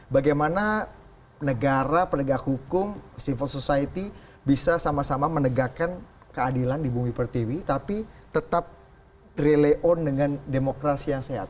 bagaimana negara penegak hukum civil society bisa sama sama menegakkan keadilan di bumi pertiwi tapi tetap relay on dengan demokrasi yang sehat